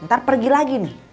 ntar pergi lagi nih